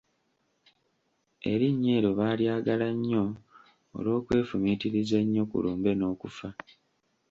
Erinnya eryo baalyagala nnyo olw'okwefumiitiriza ennyo ku lumbe n'okufa.